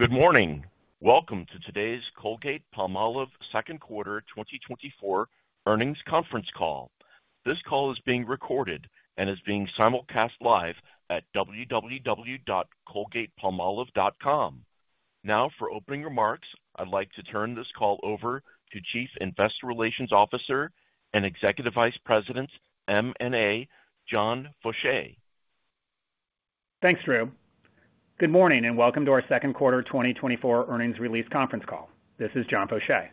Good morning. Welcome to today's Colgate-Palmolive second quarter 2024 earnings conference call. This call is being recorded and is being simulcast live at www.colgatepalmolive.com. Now, for opening remarks, I'd like to turn this call over to Chief Investor Relations Officer and Executive Vice President, M&A, John Faucher. Thanks, Drew. Good morning, and welcome to our second quarter 2024 earnings release conference call. This is John Faucher.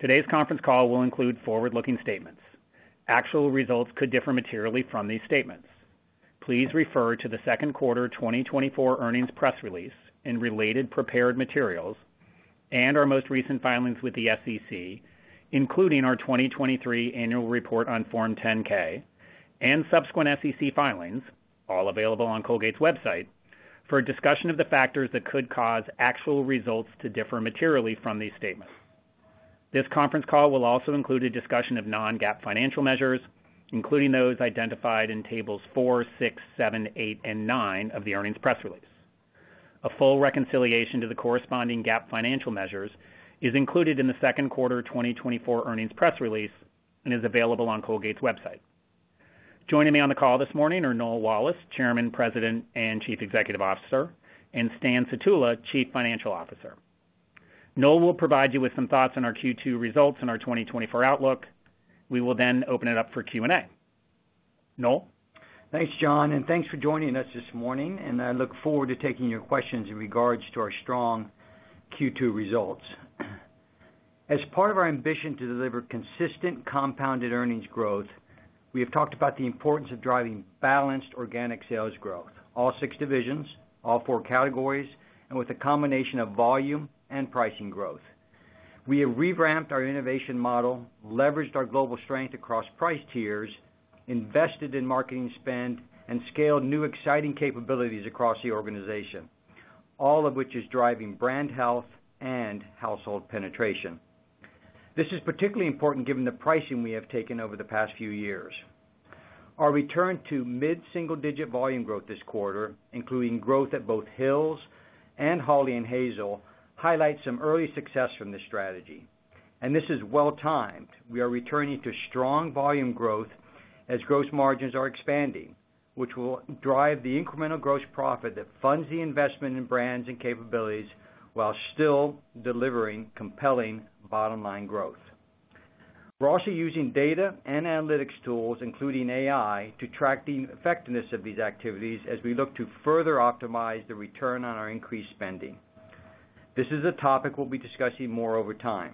Today's conference call will include forward-looking statements. Actual results could differ materially from these statements. Please refer to the second quarter 2024 earnings press release and related prepared materials and our most recent filings with the SEC, including our 2023 annual report on Form 10-K and subsequent SEC filings, all available on Colgate's website, for a discussion of the factors that could cause actual results to differ materially from these statements. This conference call will also include a discussion of non-GAAP financial measures, including those identified in tables four, six, seven, eight, and nine of the earnings press release. A full reconciliation to the corresponding GAAP financial measures is included in the second quarter 2024 earnings press release and is available on Colgate's website. Joining me on the call this morning are Noel Wallace, Chairman, President, and Chief Executive Officer, and Stan Sutula, Chief Financial Officer. Noel will provide you with some thoughts on our Q2 results and our 2024 outlook. We will then open it up for Q&A. Noel? Thanks, John, and thanks for joining us this morning, and I look forward to taking your questions in regards to our strong Q2 results. As part of our ambition to deliver consistent compounded earnings growth, we have talked about the importance of driving balanced organic sales growth, all six divisions, all four categories, and with a combination of volume and pricing growth. We have revamped our innovation model, leveraged our global strength across price tiers, invested in marketing spend, and scaled new, exciting capabilities across the organization, all of which is driving brand health and household penetration. This is particularly important given the pricing we have taken over the past few years. Our return to mid-single-digit volume growth this quarter, including growth at both Hill's and Hawley & Hazel, highlights some early success from this strategy, and this is well-timed. We are returning to strong volume growth as gross margins are expanding, which will drive the incremental gross profit that funds the investment in brands and capabilities while still delivering compelling bottom-line growth. We're also using data and analytics tools, including AI, to track the effectiveness of these activities as we look to further optimize the return on our increased spending. This is a topic we'll be discussing more over time.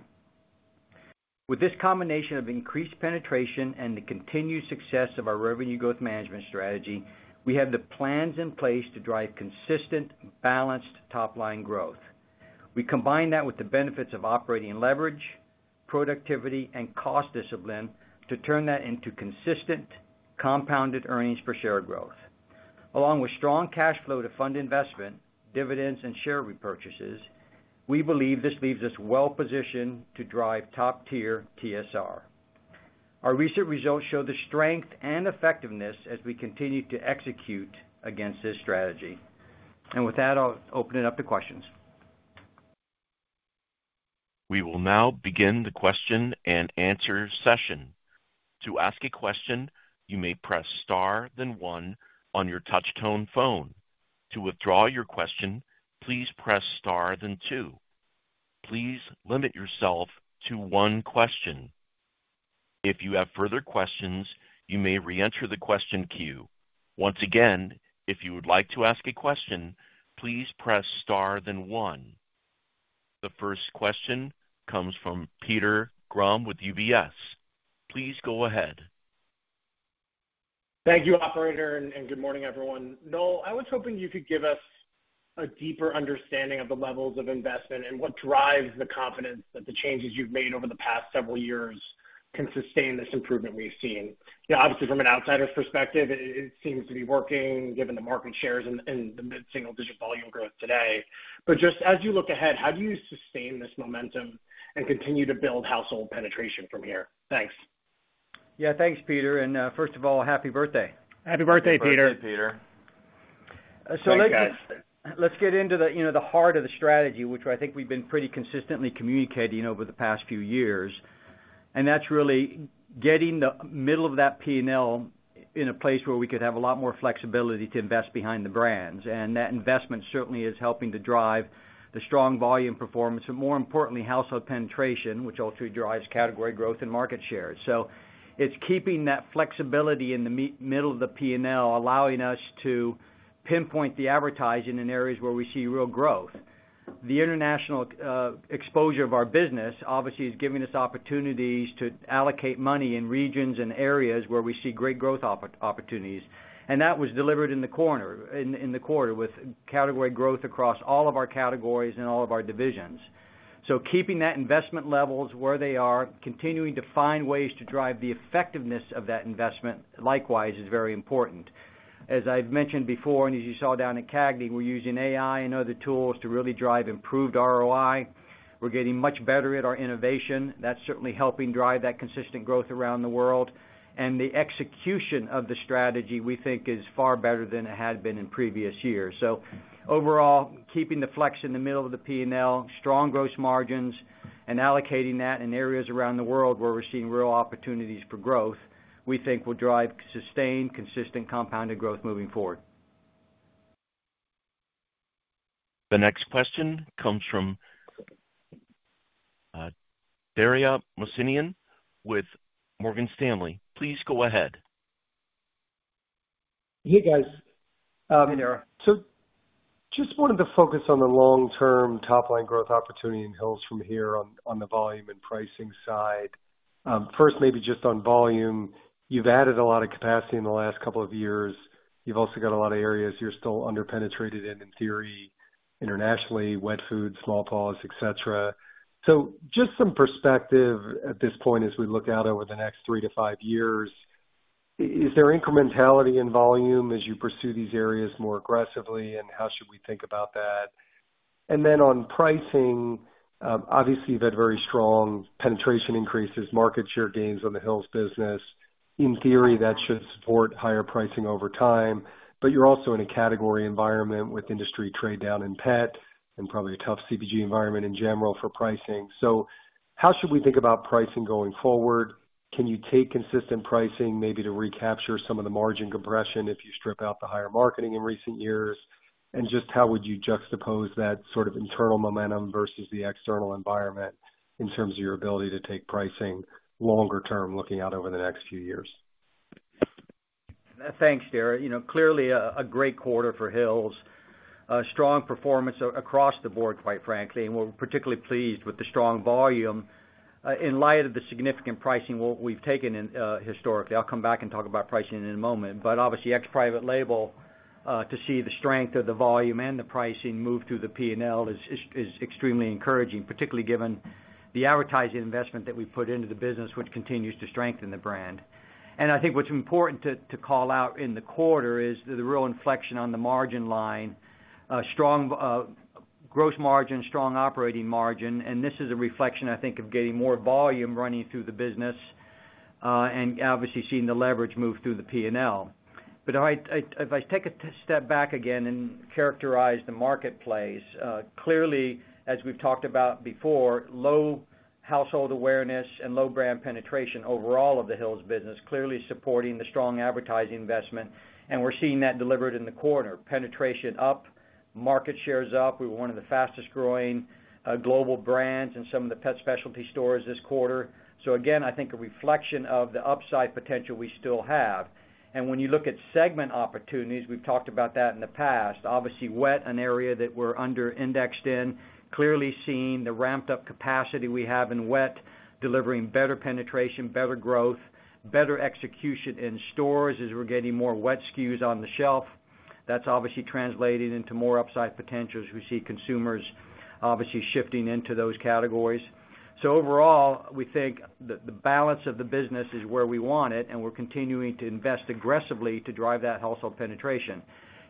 With this combination of increased penetration and the continued success of our revenue growth management strategy, we have the plans in place to drive consistent, balanced top-line growth. We combine that with the benefits of operating leverage, productivity, and cost discipline to turn that into consistent compounded earnings per share growth. Along with strong cash flow to fund investment, dividends, and share repurchases, we believe this leaves us well positioned to drive top-tier TSR. Our recent results show the strength and effectiveness as we continue to execute against this strategy. With that, I'll open it up to questions. We will now begin the question and answer session. To ask a question, you may press star, then one on your touchtone phone. To withdraw your question, please press star, then two. Please limit yourself to one question. If you have further questions, you may reenter the question queue. Once again, if you would like to ask a question, please press star, then one. The first question comes from Peter Grom with UBS. Please go ahead. Thank you, operator, and good morning, everyone. Noel, I was hoping you could give us a deeper understanding of the levels of investment and what drives the confidence that the changes you've made over the past several years can sustain this improvement we've seen. You know, obviously, from an outsider's perspective, it seems to be working, given the market shares and the mid-single digit volume growth today. But just as you look ahead, how do you sustain this momentum and continue to build household penetration from here? Thanks. Yeah, thanks, Peter, and, first of all, happy birthday. Happy birthday, Peter! Happy birthday, Peter. So let's- Thanks, guys. Let's get into the, you know, the heart of the strategy, which I think we've been pretty consistently communicating over the past few years, and that's really getting the middle of that P&L in a place where we could have a lot more flexibility to invest behind the brands. And that investment certainly is helping to drive the strong volume performance and, more importantly, household penetration, which also drives category growth and market share. So it's keeping that flexibility in the middle of the P&L, allowing us to pinpoint the advertising in areas where we see real growth. The international exposure of our business obviously is giving us opportunities to allocate money in regions and areas where we see great growth opportunities, and that was delivered in the quarter with category growth across all of our categories and all of our divisions. So, keeping that investment levels where they are, continuing to find ways to drive the effectiveness of that investment, likewise, is very important. As I've mentioned before, and as you saw down at CAGNY, we're using AI and other tools to really drive improved ROI. We're getting much better at our innovation. That's certainly helping drive that consistent growth around the world. And the execution of the strategy, we think, is far better than it had been in previous years. So overall, keeping the flex in the middle of the P&L, strong gross margins, and allocating that in areas around the world where we're seeing real opportunities for growth, we think will drive sustained, consistent, compounded growth moving forward. The next question comes from Dara Mohsenian with Morgan Stanley. Please go ahead. Hey, guys. Hey, Dara. So just wanted to focus on the long-term top line growth opportunity in Hill's from here on, on the volume and pricing side. First, maybe just on volume, you've added a lot of capacity in the last couple of years. You've also got a lot of areas you're still under-penetrated in, in theory, internationally, wet food, Small Paws, et cetera. So just some perspective at this point, as we look out over the next 3-5 years, is there incrementality in volume as you pursue these areas more aggressively, and how should we think about that? And then on pricing, obviously, you've had very strong penetration increases, market share gains on the Hill's business. In theory, that should support higher pricing over time, but you're also in a category environment with industry trade down in pet and probably a tough CPG environment in general for pricing. So how should we think about pricing going forward? Can you take consistent pricing maybe to recapture some of the margin compression if you strip out the higher marketing in recent years? And just how would you juxtapose that sort of internal momentum versus the external environment in terms of your ability to take pricing longer term, looking out over the next few years? Thanks, Dara. You know, clearly a great quarter for Hill's. A strong performance across the board, quite frankly, and we're particularly pleased with the strong volume in light of the significant pricing we've taken in historically. I'll come back and talk about pricing in a moment. But obviously, ex-private label, to see the strength of the volume and the pricing move through the P&L is extremely encouraging, particularly given the advertising investment that we put into the business, which continues to strengthen the brand. And I think what's important to call out in the quarter is the real inflection on the margin line. A strong gross margin, strong operating margin, and this is a reflection, I think, of getting more volume running through the business and obviously, seeing the leverage move through the P&L. But if I take a step back again and characterize the marketplace, clearly, as we've talked about before, low household awareness and low brand penetration overall of the Hill's business, clearly supporting the strong advertising investment, and we're seeing that delivered in the quarter. Penetration up, market share is up. We're one of the fastest-growing global brands in some of the pet specialty stores this quarter. So again, I think a reflection of the upside potential we still have. And when you look at segment opportunities, we've talked about that in the past, obviously, wet, an area that we're under-indexed in, clearly seeing the ramped-up capacity we have in wet, delivering better penetration, better growth, better execution in stores as we're getting more wet SKUs on the shelf. That's obviously translating into more upside potential as we see consumers obviously shifting into those categories. So overall, we think the balance of the business is where we want it, and we're continuing to invest aggressively to drive that household penetration.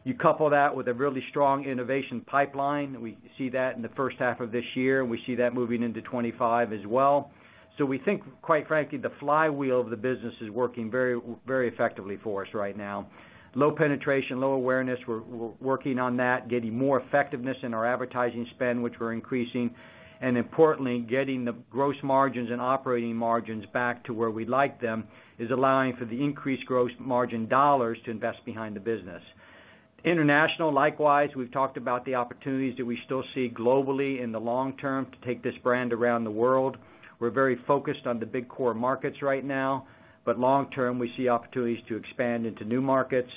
You couple that with a really strong innovation pipeline, we see that in the first half of this year, and we see that moving into 2025 as well. So we think, quite frankly, the flywheel of the business is working very, very effectively for us right now. Low penetration, low awareness, we're working on that, getting more effectiveness in our advertising spend, which we're increasing. And importantly, getting the gross margins and operating margins back to where we like them, is allowing for the increased gross margin dollars to invest behind the business. International, likewise, we've talked about the opportunities that we still see globally in the long term to take this brand around the world. We're very focused on the big core markets right now, but long term, we see opportunities to expand into new markets.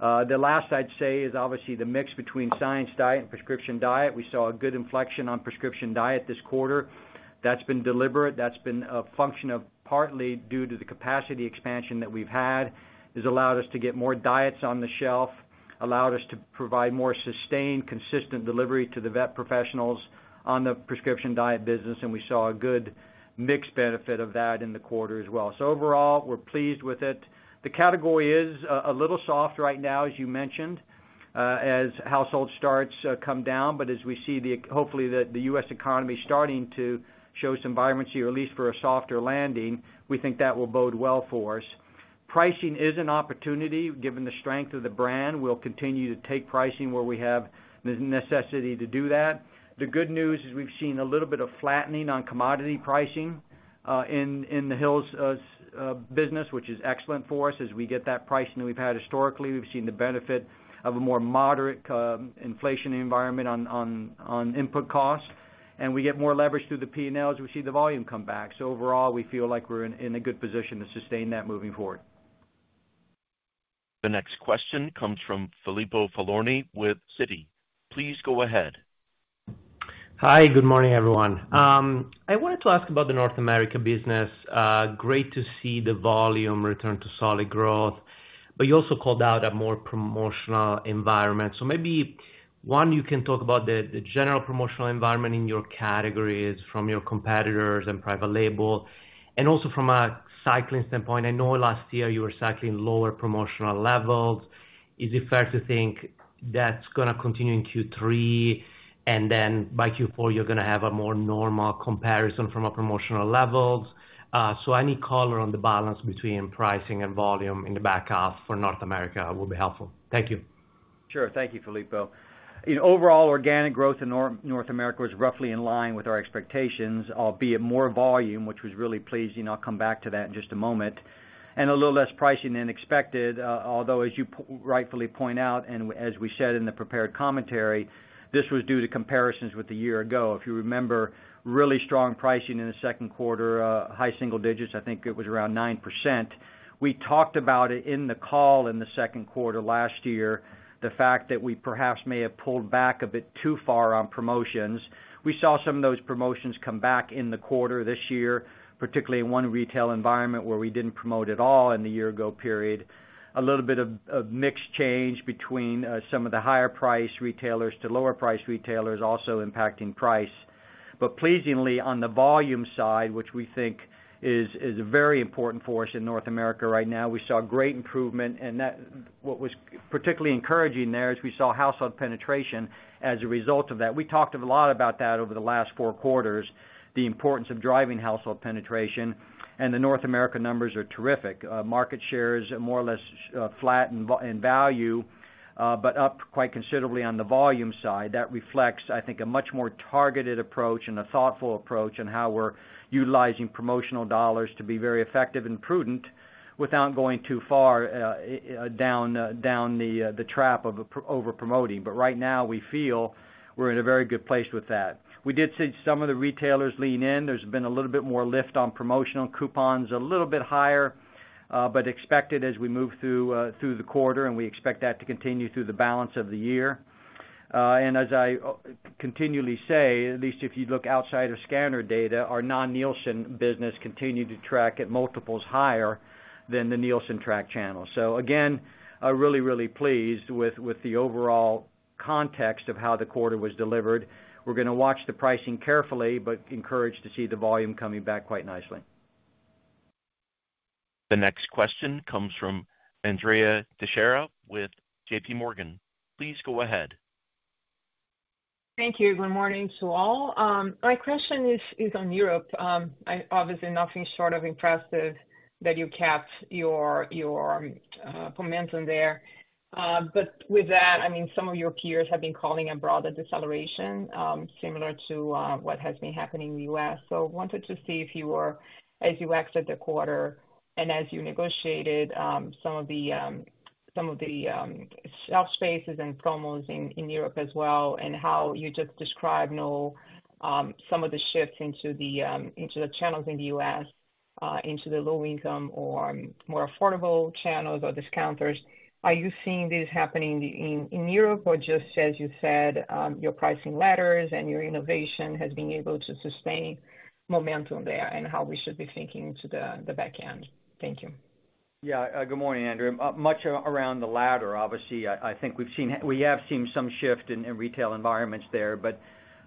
The last I'd say is obviously the mix between Science Diet and Prescription Diet. We saw a good inflection on Prescription Diet this quarter. That's been deliberate. That's been a function of partly due to the capacity expansion that we've had, has allowed us to get more diets on the shelf, allowed us to provide more sustained, consistent delivery to the vet professionals on the Prescription Diet business, and we saw a good mix benefit of that in the quarter as well. So overall, we're pleased with it. The category is a little soft right now, as you mentioned, as household starts come down. But as we see the... Hopefully, the US economy starting to show some vibrancy, or at least for a softer landing, we think that will bode well for us. Pricing is an opportunity, given the strength of the brand. We'll continue to take pricing where we have the necessity to do that. The good news is we've seen a little bit of flattening on commodity pricing in the Hill's business, which is excellent for us. As we get that pricing that we've had historically, we've seen the benefit of a more moderate inflation environment on input costs, and we get more leverage through the P&L as we see the volume come back. So overall, we feel like we're in a good position to sustain that moving forward. The next question comes from Filippo Falorni with Citi. Please go ahead. Hi, good morning, everyone. I wanted to ask about the North America business. Great to see the volume return to solid growth, but you also called out a more promotional environment. So maybe, one, you can talk about the general promotional environment in your categories from your competitors and private label, and also from a cycling standpoint. I know last year you were cycling lower promotional levels. Is it fair to think that's gonna continue in Q3, and then by Q4, you're gonna have a more normal comparison from a promotional levels? So any color on the balance between pricing and volume in the back half for North America will be helpful. Thank you. Sure. Thank you, Filippo. In overall, organic growth in North America was roughly in line with our expectations, albeit more volume, which was really pleasing. I'll come back to that in just a moment. And a little less pricing than expected, although, as you rightfully point out, and as we said in the prepared commentary, this was due to comparisons with the year ago. If you remember, really strong pricing in the second quarter, high single digits, I think it was around 9%. We talked about it in the call in the second quarter last year, the fact that we perhaps may have pulled back a bit too far on promotions. We saw some of those promotions come back in the quarter this year, particularly in one retail environment where we didn't promote at all in the year ago period. A little bit of mix change between some of the higher price retailers to lower price retailers, also impacting price. But pleasingly, on the volume side, which we think is very important for us in North America right now, we saw great improvement, and that, what was particularly encouraging there is we saw household penetration as a result of that. We talked a lot about that over the last four quarters, the importance of driving household penetration, and the North America numbers are terrific. Market share is more or less flat in value, but up quite considerably on the volume side. That reflects, I think, a much more targeted approach and a thoughtful approach on how we're utilizing promotional dollars to be very effective and prudent without going too far down the trap of over promoting. But right now, we feel we're in a very good place with that. We did see some of the retailers lean in. There's been a little bit more lift on promotional coupons, a little bit higher, but expected as we move through the quarter, and we expect that to continue through the balance of the year. And as I continually say, at least if you look outside of scanner data, our non-Nielsen business continued to track at multiples higher than the Nielsen Track Channel. So again, really pleased with the overall context of how the quarter was delivered. We're gonna watch the pricing carefully, but encouraged to see the volume coming back quite nicely. The next question comes from Andrea Teixeira with J.P. Morgan. Please go ahead. Thank you. Good morning to all. My question is on Europe. Obviously, nothing short of impressive that you kept your momentum there. But with that, I mean, some of your peers have been calling a broader deceleration, similar to what has been happening in the US. So wanted to see if you were, as you exit the quarter and as you negotiated some of the shelf spaces and promos in Europe as well, and how you just described now some of the shifts into the channels in the US into the low income or more affordable channels or discounters. Are you seeing this happening in Europe, or just as you said, your pricing ladders and your innovation has been able to sustain momentum there, and how we should be thinking to the back end? Thank you. Yeah, good morning, Andrea. Much around the latter, obviously, I think we've seen some shift in retail environments there. But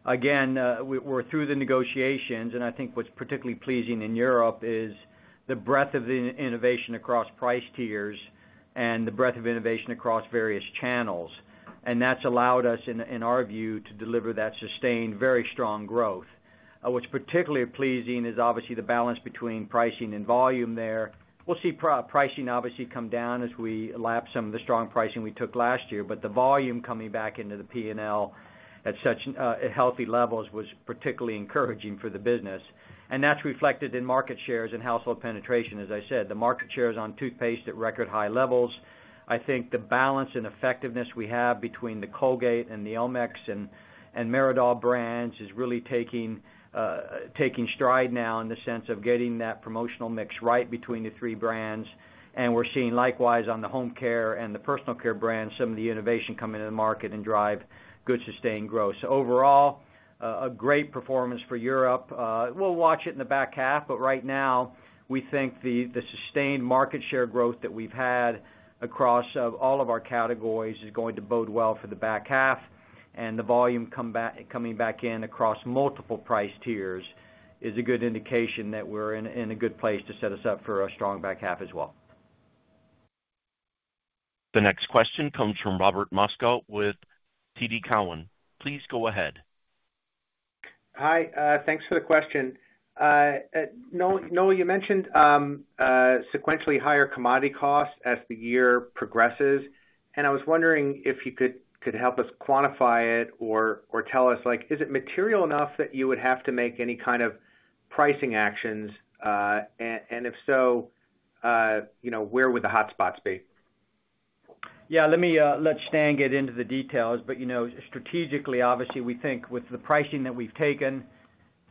again, we're through the negotiations, and I think what's particularly pleasing in Europe is the breadth of innovation across price tiers and the breadth of innovation across various channels. And that's allowed us, in our view, to deliver that sustained, very strong growth. What's particularly pleasing is obviously the balance between pricing and volume there. We'll see pricing obviously come down as we lap some of the strong pricing we took last year, but the volume coming back into the P&L at such healthy levels was particularly encouraging for the business, and that's reflected in market shares and household penetration. As I said, the market share is on toothpaste at record high levels. I think the balance and effectiveness we have between the Colgate and the Elmex and Meridol brands is really taking stride now in the sense of getting that promotional mix right between the three brands. We're seeing likewise on the home care and the personal care brands, some of the innovation come into the market and drive good, sustained growth. So overall, a great performance for Europe. We'll watch it in the back half, but right now, we think the sustained market share growth that we've had across all of our categories is going to bode well for the back half, and the volume coming back in across multiple price tiers is a good indication that we're in a good place to set us up for a strong back half as well. The next question comes from Robert Moskow with TD Cowen. Please go ahead. Hi, thanks for the question. Noel, you mentioned sequentially higher commodity costs as the year progresses, and I was wondering if you could help us quantify it or tell us, like, is it material enough that you would have to make any kind of pricing actions? And if so, you know, where would the hotspots be?... Yeah, let me, let Stan get into the details. But, you know, strategically, obviously, we think with the pricing that we've taken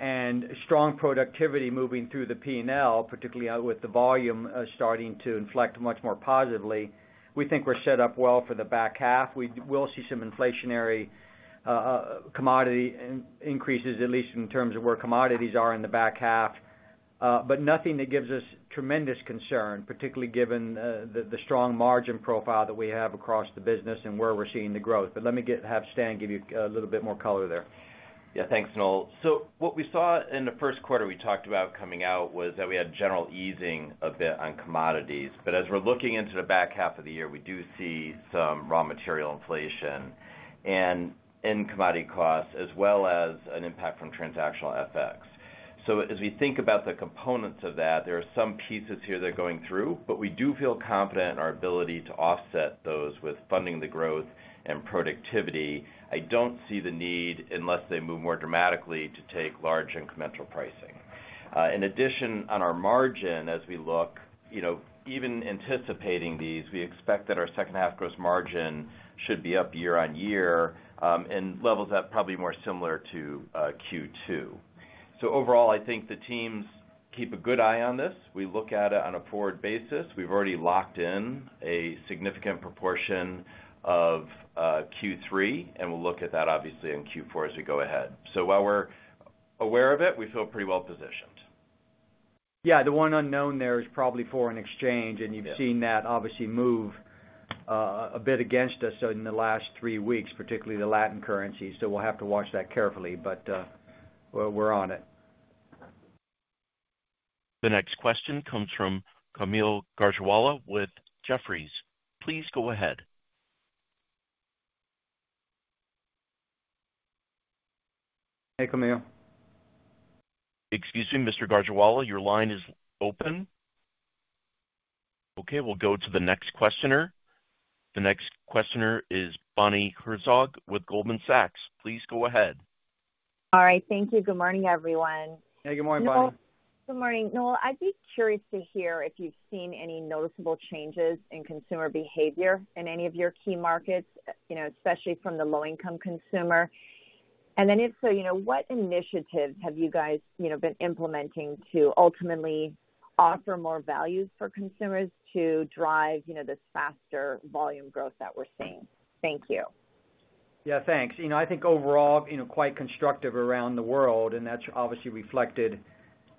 and strong productivity moving through the P&L, particularly, with the volume, starting to inflect much more positively, we think we're set up well for the back half. We will see some inflationary, commodity increases, at least in terms of where commodities are in the back half, but nothing that gives us tremendous concern, particularly given, the strong margin profile that we have across the business and where we're seeing the growth. But let me have Stan give you, a little bit more color there. Yeah, thanks, Noel. So what we saw in the first quarter, we talked about coming out, was that we had general easing a bit on commodities. But as we're looking into the back half of the year, we do see some raw material inflation and in commodity costs, as well as an impact from transactional FX. So as we think about the components of that, there are some pieces here that are going through, but we do feel confident in our ability to offset those with Funding the Growth and productivity. I don't see the need, unless they move more dramatically, to take large incremental pricing. In addition, on our margin, as we look, you know, even anticipating these, we expect that our second half gross margin should be up year-over-year, and levels up probably more similar to Q2. So overall, I think the teams keep a good eye on this. We look at it on a forward basis. We've already locked in a significant proportion of Q3, and we'll look at that obviously in Q4 as we go ahead. So while we're aware of it, we feel pretty well positioned. Yeah, the one unknown there is probably foreign exchange, and you've- Yeah... seen that obviously move a bit against us in the last three weeks, particularly the Latin currencies, so we'll have to watch that carefully, but well, we're on it. The next question comes from Kaumil Gajrawala with Jefferies. Please go ahead. Hey, Camille. Excuse me, Mr. Gajrawala, your line is open. Okay, we'll go to the next questioner. The next questioner is Bonnie Herzog with Goldman Sachs. Please go ahead. All right. Thank you. Good morning, everyone. Hey, good morning, Bonnie. Good morning, Noel. I'd be curious to hear if you've seen any noticeable changes in consumer behavior in any of your key markets, you know, especially from the low-income consumer. And then, if so, you know, what initiatives have you guys, you know, been implementing to ultimately offer more value for consumers to drive, you know, this faster volume growth that we're seeing? Thank you. Yeah, thanks. You know, I think overall, you know, quite constructive around the world, and that's obviously reflected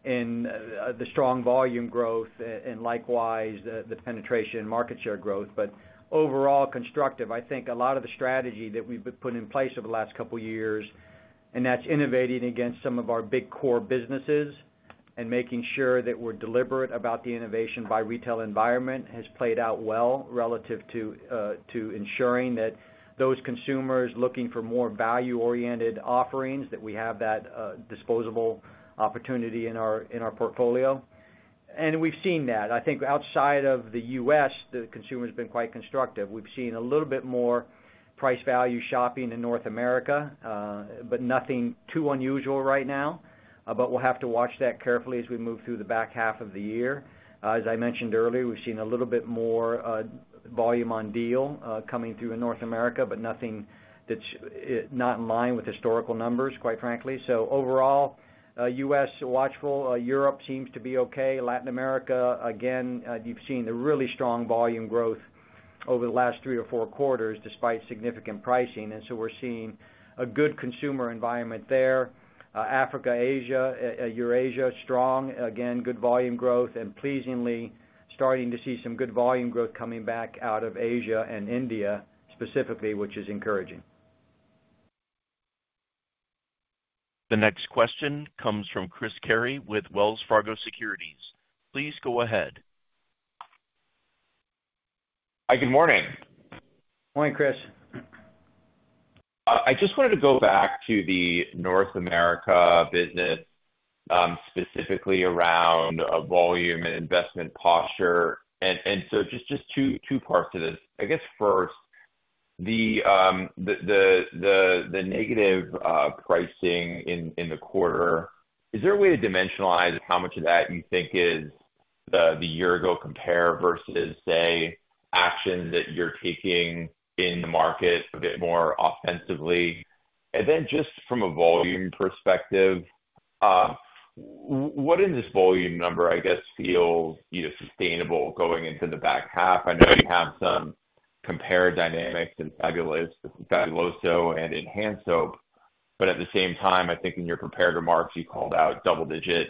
in the strong volume growth and likewise the penetration market share growth, but overall, constructive. I think a lot of the strategy that we've been putting in place over the last couple of years, and that's innovating against some of our big core businesses and making sure that we're deliberate about the innovation by retail environment, has played out well relative to ensuring that those consumers looking for more value-oriented offerings, that we have that disposable opportunity in our portfolio. And we've seen that. I think outside of the U.S., the consumer has been quite constructive. We've seen a little bit more price value shopping in North America, but nothing too unusual right now. But we'll have to watch that carefully as we move through the back half of the year. As I mentioned earlier, we've seen a little bit more volume on deal coming through in North America, but nothing that's not in line with historical numbers, quite frankly. So overall, US, watchful. Europe seems to be okay. Latin America, again, you've seen the really strong volume growth over the last three or four quarters, despite significant pricing, and so we're seeing a good consumer environment there. Africa, Asia, Eurasia, strong. Again, good volume growth and pleasingly, starting to see some good volume growth coming back out of Asia and India, specifically, which is encouraging. The next question comes from Chris Carey with Wells Fargo Securities. Please go ahead. Hi, good morning. Morning, Chris. I just wanted to go back to the North America business, specifically around volume and investment posture. So just two parts to this. I guess first, the negative pricing in the quarter, is there a way to dimensionalize how much of that you think is the year ago compare versus, say, action that you're taking in the market a bit more offensively? And then just from a volume perspective, what in this volume number, I guess, feels, you know, sustainable going into the back half? I know you have some compare dynamics in Fabuloso and in hand soap, but at the same time, I think in your prepared remarks, you called out double-digit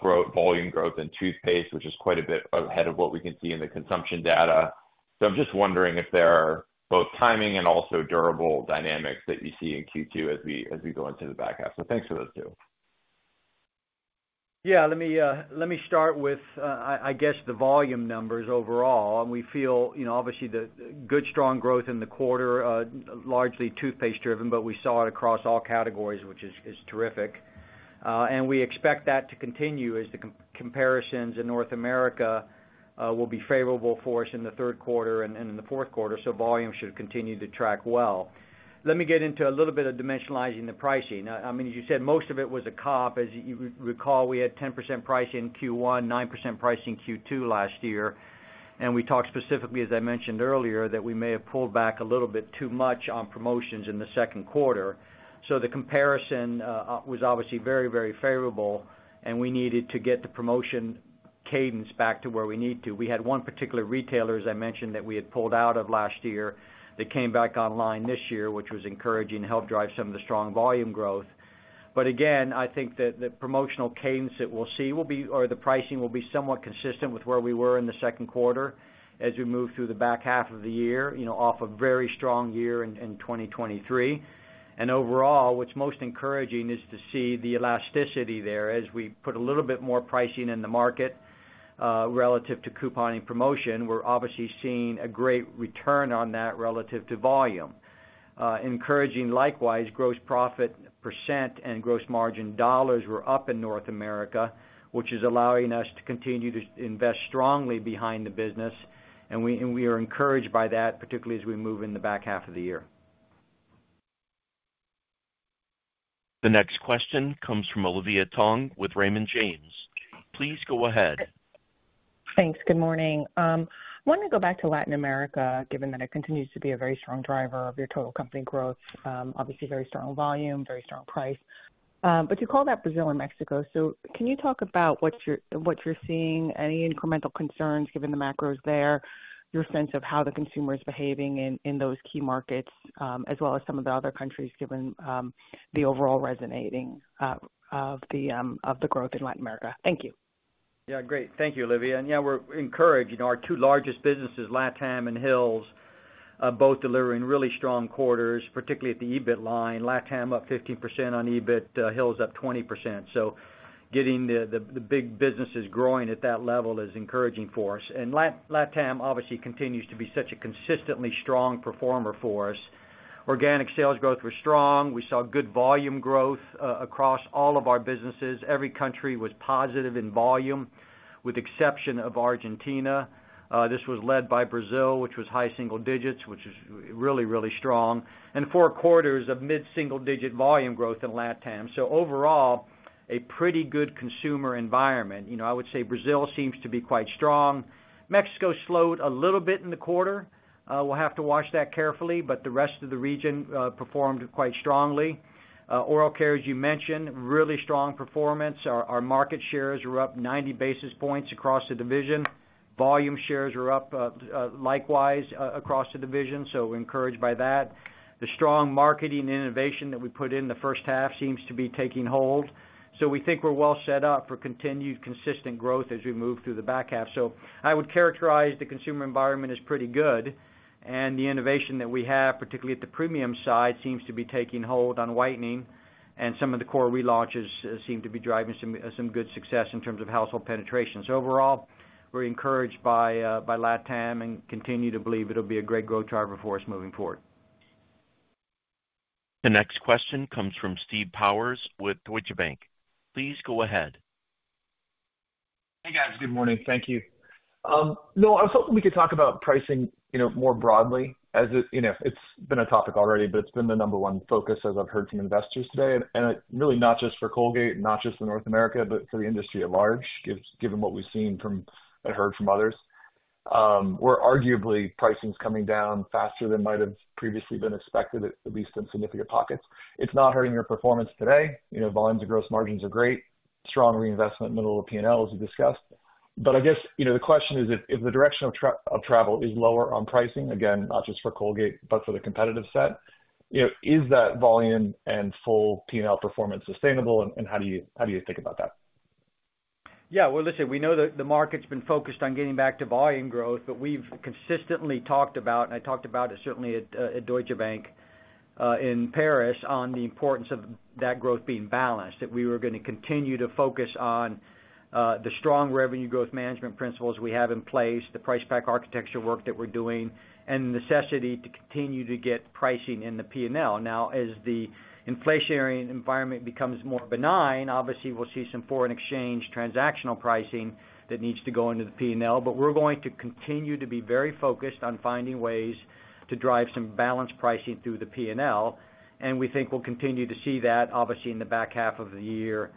growth, volume growth in toothpaste, which is quite a bit ahead of what we can see in the consumption data. So I'm just wondering if there are both timing and also durable dynamics that you see in Q2 as we go into the back half. So thanks for those two. Yeah, let me, let me start with, I, I guess, the volume numbers overall. We feel, you know, obviously, the good, strong growth in the quarter, largely toothpaste driven, but we saw it across all categories, which is, is terrific. And we expect that to continue as the comparisons in North America, will be favorable for us in the third quarter and, and in the fourth quarter, so volume should continue to track well. Let me get into a little bit of dimensionalizing the pricing. I mean, as you said, most of it was a comp. As you recall, we had 10% price in Q1, 9% price in Q2 last year... and we talked specifically, as I mentioned earlier, that we may have pulled back a little bit too much on promotions in the second quarter. So the comparison was obviously very, very favorable, and we needed to get the promotion cadence back to where we need to. We had one particular retailer, as I mentioned, that we had pulled out of last year, that came back online this year, which was encouraging, to help drive some of the strong volume growth. But again, I think that the promotional cadence that we'll see will be or the pricing will be somewhat consistent with where we were in the second quarter as we move through the back half of the year, you know, off a very strong year in 2023. And overall, what's most encouraging is to see the elasticity there. As we put a little bit more pricing in the market, relative to couponing promotion, we're obviously seeing a great return on that relative to volume. Encouraging, likewise, gross profit % and gross margin dollars were up in North America, which is allowing us to continue to invest strongly behind the business, and we are encouraged by that, particularly as we move in the back half of the year. The next question comes from Olivia Tong with Raymond James. Please go ahead. Thanks. Good morning. I want to go back to Latin America, given that it continues to be a very strong driver of your total company growth. Obviously, very strong volume, very strong price. But you called out Brazil and Mexico, so can you talk about what you're, what you're seeing? Any incremental concerns, given the macros there, your sense of how the consumer is behaving in, in those key markets, as well as some of the other countries, given, the overall resonating, of the, of the growth in Latin America? Thank you. Yeah, great. Thank you, Olivia. And, yeah, we're encouraged. You know, our two largest businesses, LatAm and Hills, are both delivering really strong quarters, particularly at the EBIT line. LatAm, up 15% on EBIT, Hills, up 20%. So getting the big businesses growing at that level is encouraging for us. And LatAm, obviously continues to be such a consistently strong performer for us. Organic sales growth was strong. We saw good volume growth across all of our businesses. Every country was positive in volume, with exception of Argentina. This was led by Brazil, which was high single digits, which is really, really strong. And four quarters of mid-single digit volume growth in LatAm. So overall, a pretty good consumer environment. You know, I would say Brazil seems to be quite strong. Mexico slowed a little bit in the quarter. We'll have to watch that carefully, but the rest of the region performed quite strongly. Oral care, as you mentioned, really strong performance. Our market shares were up 90 basis points across the division. Volume shares were up, likewise, across the division, so we're encouraged by that. The strong marketing innovation that we put in the first half seems to be taking hold. So we think we're well set up for continued consistent growth as we move through the back half. So I would characterize the consumer environment as pretty good, and the innovation that we have, particularly at the premium side, seems to be taking hold on whitening, and some of the core relaunches seem to be driving some good success in terms of household penetration. So overall, we're encouraged by LatAm and continue to believe it'll be a great growth driver for us moving forward. The next question comes from Steve Powers with Deutsche Bank. Please go ahead. Hey, guys. Good morning. Thank you. You know, I was hoping we could talk about pricing, you know, more broadly, as it, you know, it's been a topic already, but it's been the number one focus, as I've heard from investors today. And it's really not just for Colgate, not just in North America, but for the industry at large, given what we've seen from and heard from others. Where arguably, pricing's coming down faster than might have previously been expected, at least in significant pockets. It's not hurting your performance today. You know, volumes and gross margins are great, strong reinvestment in the middle of P&L, as you discussed. I guess, you know, the question is if the direction of travel is lower on pricing, again, not just for Colgate, but for the competitive set, you know, is that volume and full P&L performance sustainable, and how do you think about that? Yeah, well, listen, we know that the market's been focused on getting back to volume growth, but we've consistently talked about, and I talked about it certainly at Deutsche Bank in Paris, on the importance of that growth being balanced. That we were gonna continue to focus on the strong Revenue Growth Management principles we have in place, the Price Pack Architecture work that we're doing, and the necessity to continue to get pricing in the P&L. Now, as the inflationary environment becomes more benign, obviously, we'll see some foreign exchange transactional pricing that needs to go into the P&L. But we're going to continue to be very focused on finding ways to drive some balanced pricing through the P&L, and we think we'll continue to see that, obviously, in the back half of the year,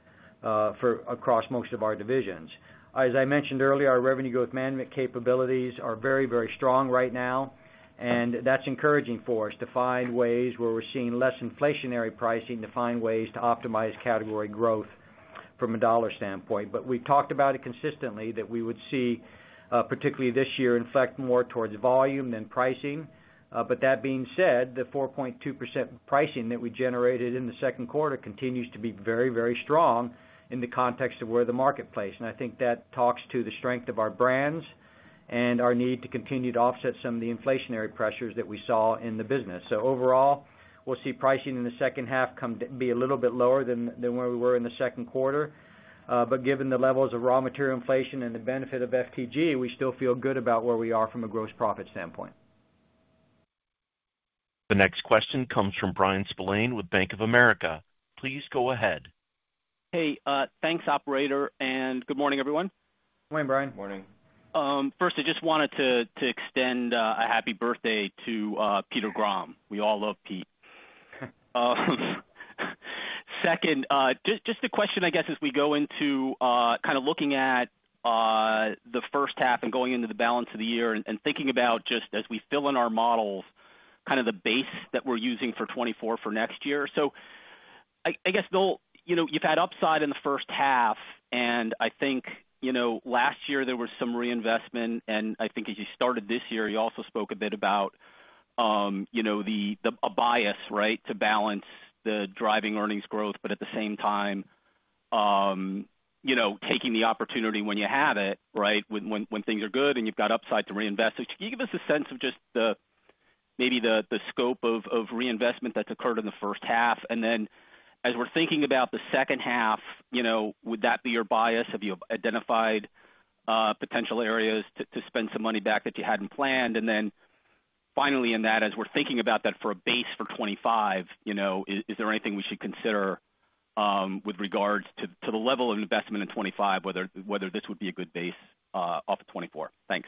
across most of our divisions. As I mentioned earlier, our revenue growth management capabilities are very, very strong right now, and that's encouraging for us to find ways where we're seeing less inflationary pricing, to find ways to optimize category growth from a dollar standpoint. But we've talked about it consistently, that we would see, particularly this year, in fact, more towards volume than pricing. But that being said, the 4.2% pricing that we generated in the second quarter continues to be very, very strong in the context of where the marketplace. And I think that talks to the strength of our brands and our need to continue to offset some of the inflationary pressures that we saw in the business. So overall, we'll see pricing in the second half come be a little bit lower than, than where we were in the second quarter. But given the levels of raw material inflation and the benefit of FTG, we still feel good about where we are from a gross profit standpoint. The next question comes from Brian Spillane with Bank of America. Please go ahead. Hey, thanks, operator, and good morning, everyone. Good morning, Brian. Good morning. First, I just wanted to extend a happy birthday to Peter Grom. We all love Pete.... Second, just, just a question, I guess, as we go into kind of looking at the first half and going into the balance of the year and thinking about just as we fill in our models, kind of the base that we're using for 2024 for next year. So I guess, though, you know, you've had upside in the first half, and I think, you know, last year there was some reinvestment, and I think as you started this year, you also spoke a bit about, you know, the a bias, right, to balance the driving earnings growth, but at the same time, you know, taking the opportunity when you have it, right? When things are good and you've got upside to reinvest. So can you give us a sense of just the scope of reinvestment that's occurred in the first half? And then as we're thinking about the second half, you know, would that be your bias? Have you identified potential areas to spend some money back that you hadn't planned? And then finally, in that, as we're thinking about that for a base for 2025, you know, is there anything we should consider with regards to the level of investment in 2025, whether this would be a good base off of 2024? Thanks.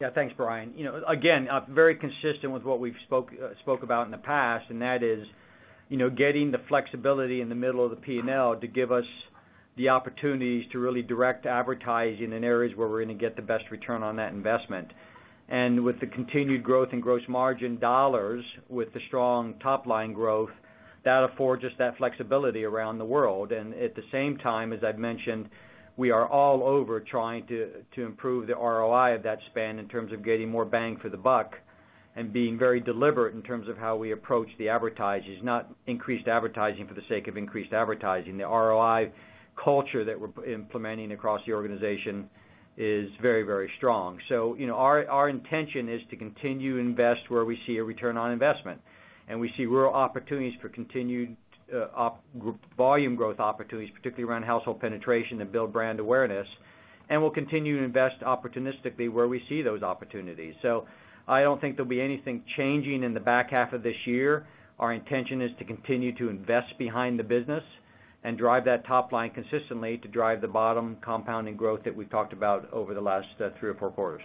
Yeah. Thanks, Brian. You know, again, very consistent with what we've spoke about in the past, and that is, you know, getting the flexibility in the middle of the P&L to give us the opportunities to really direct advertising in areas where we're gonna get the best return on that investment. And with the continued growth in gross margin dollars, with the strong top line growth, that affords us that flexibility around the world. And at the same time, as I've mentioned, we are all over trying to improve the ROI of that spend in terms of getting more bang for the buck and being very deliberate in terms of how we approach the advertising, not increased advertising for the sake of increased advertising. The ROI culture that we're implementing across the organization is very, very strong. So, you know, our intention is to continue to invest where we see a return on investment, and we see real opportunities for continued opportunity volume growth opportunities, particularly around household penetration and build brand awareness. We'll continue to invest opportunistically where we see those opportunities. So I don't think there'll be anything changing in the back half of this year. Our intention is to continue to invest behind the business and drive that top line consistently to drive the bottom compounding growth that we've talked about over the last three or four quarters.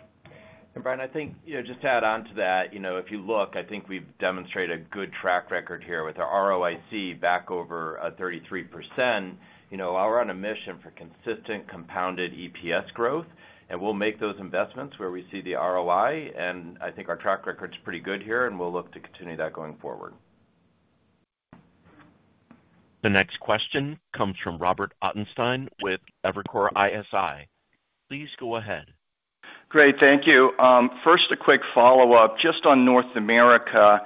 Brian, I think, you know, just to add on to that, you know, if you look, I think we've demonstrated a good track record here with our ROIC back over 33%. You know, while we're on a mission for consistent compounded EPS growth, and we'll make those investments where we see the ROI, and I think our track record is pretty good here, and we'll look to continue that going forward. The next question comes from Robert Ottenstein with Evercore ISI. Please go ahead. Great, thank you. First, a quick follow-up, just on North America.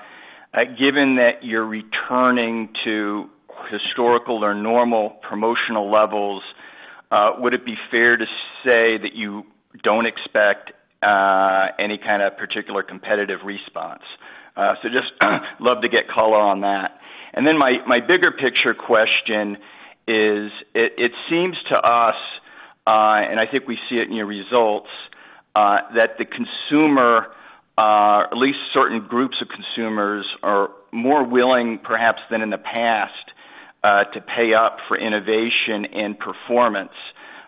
Given that you're returning to historical or normal promotional levels, would it be fair to say that you don't expect any kind of particular competitive response? So just love to get color on that. And then my bigger picture question is, it seems to us, and I think we see it in your results, that the consumer, at least certain groups of consumers, are more willing, perhaps, than in the past, to pay up for innovation and performance,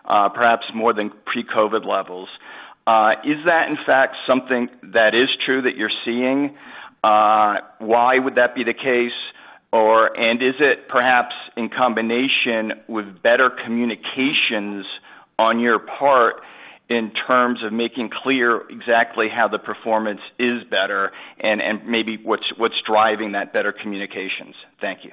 perhaps more than pre-COVID levels. Is that, in fact, something that is true, that you're seeing? Why would that be the case? Is it perhaps in combination with better communications on your part in terms of making clear exactly how the performance is better and maybe what's driving that better communications? Thank you.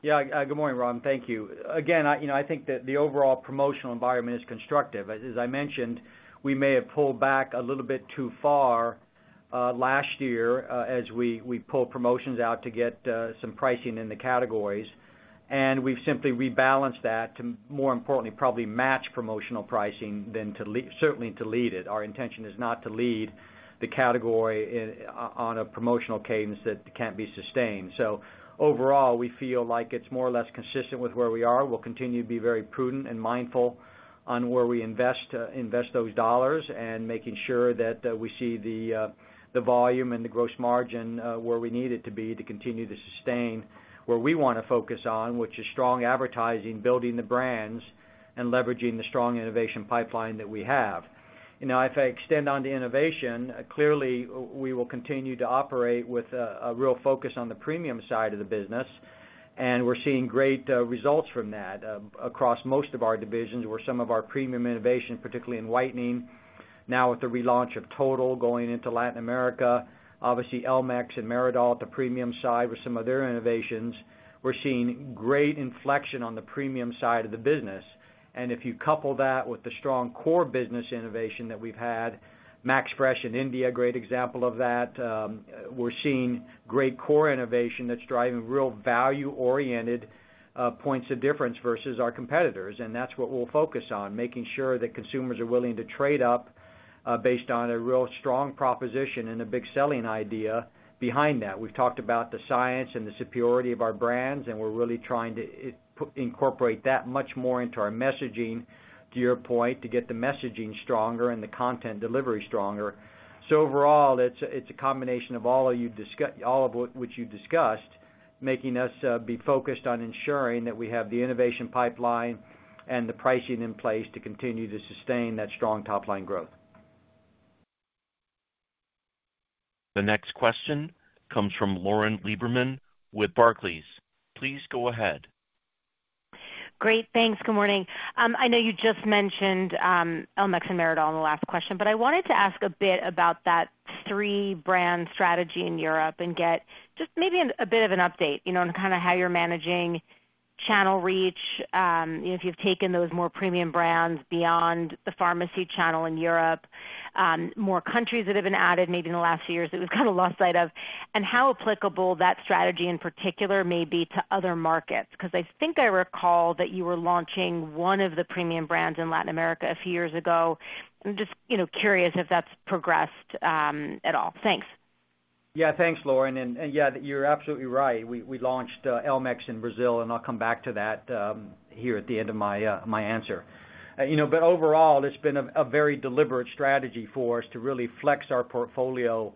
Yeah. Good morning, Rob. Thank you. Again, you know, I think that the overall promotional environment is constructive. As I mentioned, we may have pulled back a little bit too far last year, as we pulled promotions out to get some pricing in the categories, and we've simply rebalanced that to more importantly probably match promotional pricing than to certainly lead it. Our intention is not to lead the category in on a promotional cadence that can't be sustained. So overall, we feel like it's more or less consistent with where we are. We'll continue to be very prudent and mindful on where we invest, invest those dollars and making sure that we see the, the volume and the gross margin, where we need it to be to continue to sustain where we wanna focus on, which is strong advertising, building the brands, and leveraging the strong innovation pipeline that we have. You know, if I extend on to innovation, clearly, we will continue to operate with a, a real focus on the premium side of the business, and we're seeing great results from that, across most of our divisions, where some of our premium innovation, particularly in whitening, now with the relaunch of Total going into Latin America. Obviously, Elmex and Meridol at the premium side with some of their innovations. We're seeing great inflection on the premium side of the business, and if you couple that with the strong core business innovation that we've had, MaxFresh in India, a great example of that. We're seeing great core innovation that's driving real value-oriented points of difference versus our competitors, and that's what we'll focus on, making sure that consumers are willing to trade up based on a real strong proposition and a big selling idea behind that. We've talked about the science and the superiority of our brands, and we're really trying to incorporate that much more into our messaging, to your point, to get the messaging stronger and the content delivery stronger. Overall, it's a combination of all of which you discussed, making us be focused on ensuring that we have the innovation pipeline and the pricing in place to continue to sustain that strong top-line growth. The next question comes from Lauren Lieberman with Barclays. Please go ahead. Great, thanks. Good morning. I know you just mentioned Elmex and Meridol in the last question, but I wanted to ask a bit about that three-brand strategy in Europe and get just maybe a bit of an update, you know, on kinda how you're managing channel reach. If you've taken those more premium brands beyond the pharmacy channel in Europe, more countries that have been added, maybe in the last few years, that was kind of lost sight of, and how applicable that strategy, in particular, may be to other markets. 'Cause I think I recall that you were launching one of the premium brands in Latin America a few years ago. I'm just, you know, curious if that's progressed at all. Thanks. Yeah, thanks, Lauren. Yeah, you're absolutely right. We launched Elmex in Brazil, and I'll come back to that here at the end of my answer. You know, but overall, it's been a very deliberate strategy for us to really flex our portfolio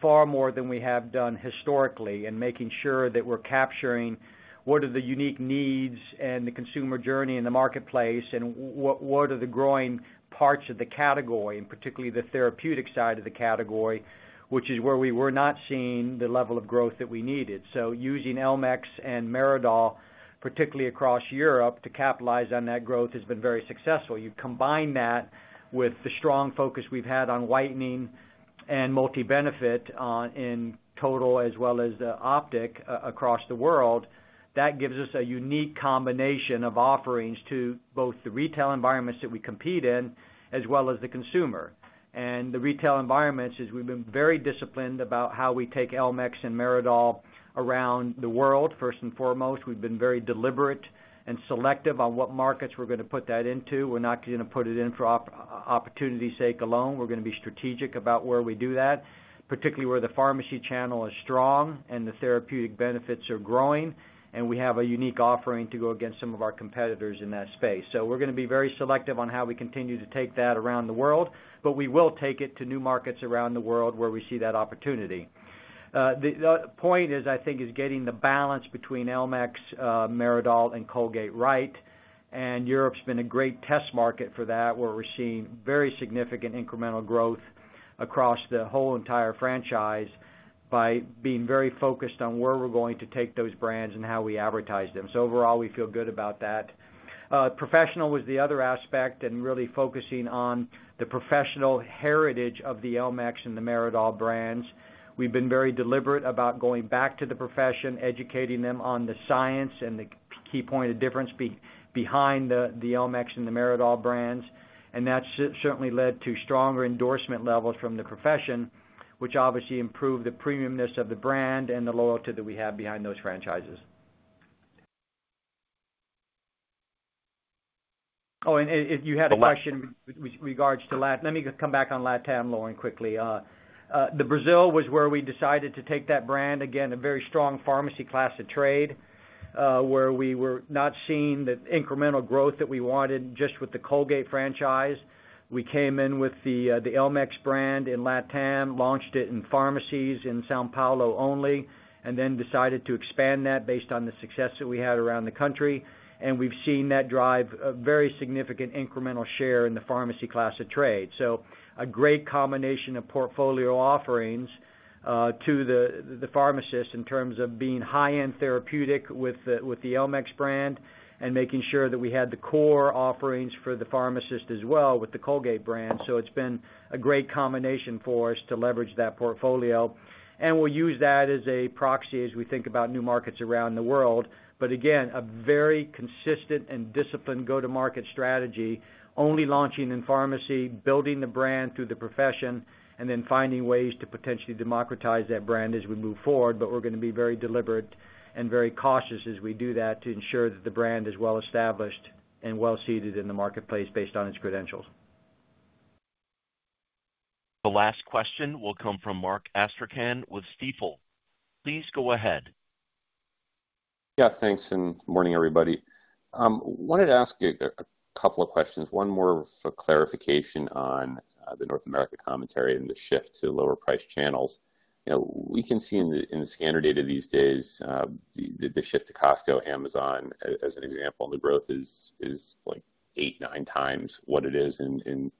far more than we have done historically, and making sure that we're capturing what are the unique needs and the consumer journey in the marketplace, and what are the growing parts of the category, and particularly the therapeutic side of the category, which is where we were not seeing the level of growth that we needed. So using Elmex and Meridol, particularly across Europe, to capitalize on that growth, has been very successful. You combine that with the strong focus we've had on whitening and multi-benefit in Total as well as Optic across the world, that gives us a unique combination of offerings to both the retail environments that we compete in, as well as the consumer. And the retail environments is we've been very disciplined about how we take Elmex and Meridol around the world. First and foremost, we've been very deliberate and selective on what markets we're gonna put that into. We're not gonna put it in for opportunity sake alone. We're gonna be strategic about where we do that, particularly where the pharmacy channel is strong and the therapeutic benefits are growing, and we have a unique offering to go against some of our competitors in that space. So we're gonna be very selective on how we continue to take that around the world, but we will take it to new markets around the world where we see that opportunity. The point is, I think, getting the balance between Elmex, Meridol, and Colgate right, and Europe's been a great test market for that, where we're seeing very significant incremental growth across the whole entire franchise by being very focused on where we're going to take those brands and how we advertise them. So overall, we feel good about that. Professional was the other aspect and really focusing on the professional heritage of the Elmex and the Meridol brands. We've been very deliberate about going back to the profession, educating them on the science and the key point of difference behind the Elmex and the Meridol brands. And that certainly led to stronger endorsement levels from the profession, which obviously improved the premiumness of the brand and the loyalty that we have behind those franchises. Oh, and you had a question with regards to Latam. Let me just come back on Latam, Lauren, quickly. The Brazil was where we decided to take that brand. Again, a very strong pharmacy class of trade, where we were not seeing the incremental growth that we wanted just with the Colgate franchise. We came in with the Elmex brand in Latam, launched it in pharmacies in São Paulo only, and then decided to expand that based on the success that we had around the country. And we've seen that drive a very significant incremental share in the pharmacy class of trade. So a great combination of portfolio offerings to the pharmacist in terms of being high-end therapeutic with the Elmex brand and making sure that we had the core offerings for the pharmacist as well with the Colgate brand. So it's been a great combination for us to leverage that portfolio, and we'll use that as a proxy as we think about new markets around the world. But again, a very consistent and disciplined go-to-market strategy, only launching in pharmacy, building the brand through the profession, and then finding ways to potentially democratize that brand as we move forward. But we're gonna be very deliberate and very cautious as we do that to ensure that the brand is well-established and well-seeded in the marketplace based on its credentials. The last question will come from Mark Astrachan with Stifel. Please go ahead. Yeah, thanks, and good morning, everybody. Wanted to ask you a couple of questions. One more for clarification on the North America commentary and the shift to lower-priced channels. You know, we can see in the scanner data these days the shift to Costco, Amazon, as an example, the growth is like 8, 9 times what it is in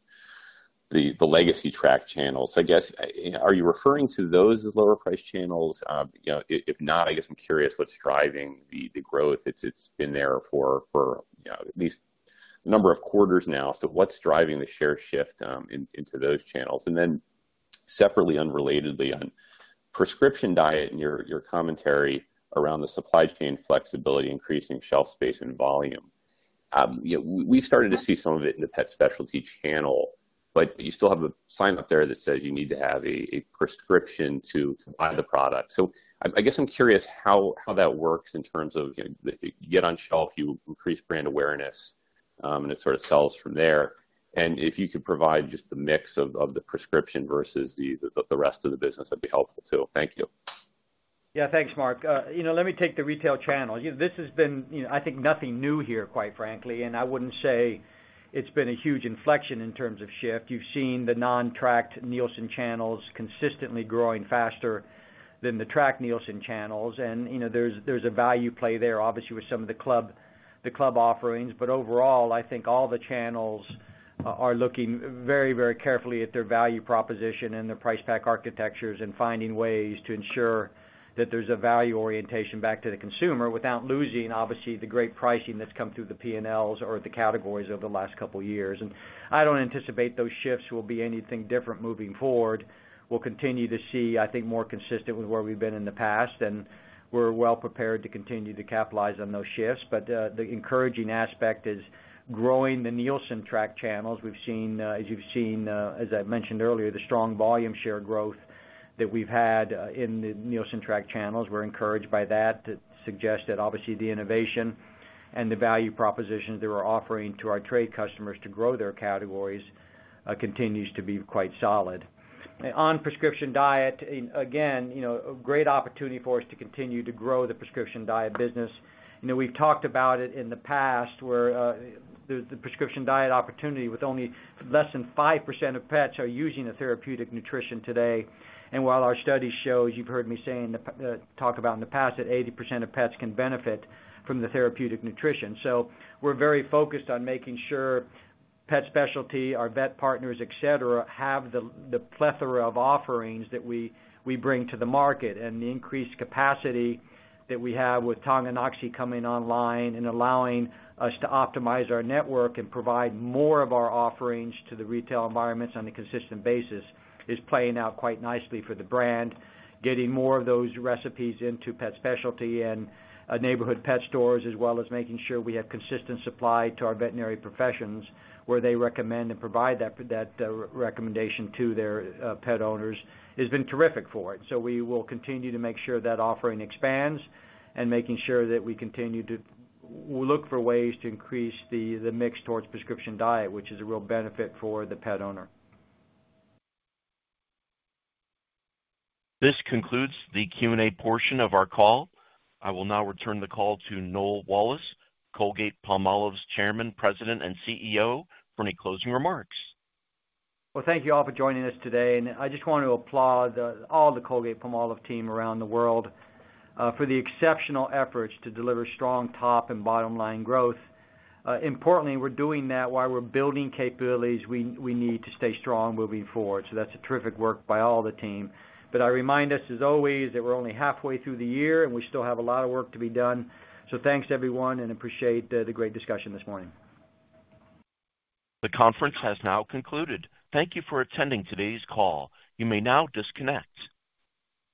the legacy tracked channels. So I guess, are you referring to those as lower-priced channels? You know, if not, I guess I'm curious what's driving the growth. It's been there for you know, at least a number of quarters now. So what's driving the share shift in into those channels? And then separately, unrelatedly, on prescription diet and your commentary around the supply chain flexibility, increasing shelf space and volume. You know, we started to see some of it in the pet specialty channel, but you still have a sign up there that says you need to have a prescription to buy the product. So I guess I'm curious how that works in terms of, you know, you get on shelf, you increase brand awareness, and it sort of sells from there. And if you could provide just the mix of the prescription versus the rest of the business, that'd be helpful, too. Thank you. Yeah, thanks, Mark. You know, let me take the retail channel. You know, this has been, you know, I think nothing new here, quite frankly, and I wouldn't say it's been a huge inflection in terms of shift. You've seen the non-tracked Nielsen channels consistently growing faster than the tracked Nielsen channels. And, you know, there's a value play there, obviously, with some of the club offerings. But overall, I think all the channels are looking very, very carefully at their value proposition and their price pack architectures and finding ways to ensure that there's a value orientation back to the consumer without losing, obviously, the great pricing that's come through the P&Ls or the categories over the last couple of years. And I don't anticipate those shifts will be anything different moving forward. We'll continue to see, I think, more consistent with where we've been in the past, and we're well prepared to continue to capitalize on those shifts. But, the encouraging aspect is growing the Nielsen tracked channels. We've seen, as you've seen, as I mentioned earlier, the strong volume share growth that we've had, in the Nielsen tracked channels. We're encouraged by that to suggest that obviously, the innovation and the value propositions that we're offering to our trade customers to grow their categories, continues to be quite solid. On prescription diet, again, you know, a great opportunity for us to continue to grow the prescription diet business. You know, we've talked about it in the past, where the prescription diet opportunity, with only less than 5% of pets are using a therapeutic nutrition today. While our study shows, you've heard me say in the past, that 80% of pets can benefit from the therapeutic nutrition. So we're very focused on making sure Pet Specialty, our vet partners, et cetera, have the plethora of offerings that we bring to the market. And the increased capacity that we have with Tonganoxie coming online and allowing us to optimize our network and provide more of our offerings to the retail environments on a consistent basis, is playing out quite nicely for the brand. Getting more of those recipes into Pet Specialty and neighborhood pet stores, as well as making sure we have consistent supply to our veterinary professions, where they recommend and provide that recommendation to their pet owners, has been terrific for it. So we will continue to make sure that offering expands and making sure that we continue to look for ways to increase the mix towards prescription diet, which is a real benefit for the pet owner. This concludes the Q&A portion of our call. I will now return the call to Noel Wallace, Colgate-Palmolive's Chairman, President, and CEO, for any closing remarks. Well, thank you all for joining us today, and I just want to applaud all the Colgate-Palmolive team around the world for the exceptional efforts to deliver strong top and bottom line growth. Importantly, we're doing that while we're building capabilities we need to stay strong moving forward. So that's a terrific work by all the team. But I remind us, as always, that we're only halfway through the year, and we still have a lot of work to be done. So thanks, everyone, and appreciate the great discussion this morning. The conference has now concluded. Thank you for attending today's call. You may now disconnect.